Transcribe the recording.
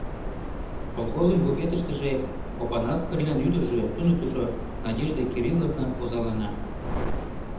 Колхозын буфетыштыже Опанас Кырлян ӱдыржӧ, туныктышо Надежда Кирилловна озалана.